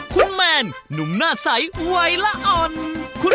คุณแมนหนุ่มหน้าใสวัยละอ่อน